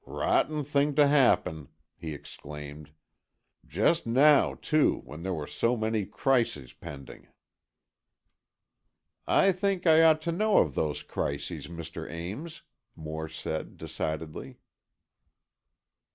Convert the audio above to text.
"Rotten thing to happen!" he exclaimed. "Just now, too, when there were so many crises pending." "I think I ought to know of those crises, Mr. Ames," Moore said, decidedly.